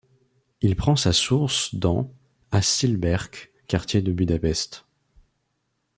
Il prend sa source dans à Csillebérc, quartier de Budapest.